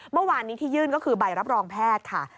เมื่อวานนี้ที่ยื่นก็คือใบรับรองแพทย์ค่ะ